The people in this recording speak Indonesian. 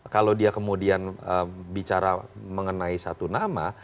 kalau dia kemudian bicara mengenai satu nama